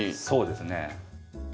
そうですね。